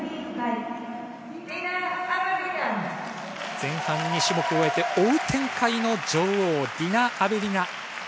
前半２種目を終えて追う展開の女王、ディナ・アベリナ。